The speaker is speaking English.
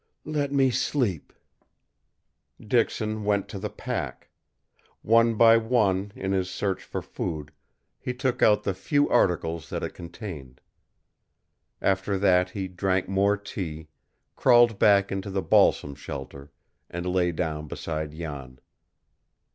"Let me sleep!" Dixon went to the pack. One by one, in his search for food, he took out the few articles that it contained. After that he drank more tea, crawled back into the balsam shelter, and lay down beside Jan.